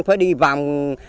phải đi vòng